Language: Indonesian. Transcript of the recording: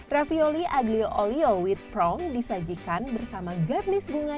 ravioli aglio olio with prong disajikan bersama garnis bunga